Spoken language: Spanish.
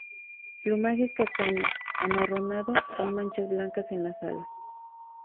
El plumaje es castaño—amarronado, con manchas blancas en las alas.